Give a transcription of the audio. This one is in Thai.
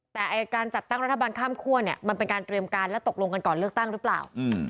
แต่การจัดตั้งรัฐบาลข้ามคั่วเนี่ยมันเป็นการเตรียมการและตกลงกันก่อนเลือกตั้งหรือเปล่า